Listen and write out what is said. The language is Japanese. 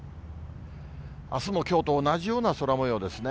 あすもきょうと同じような空もようですね。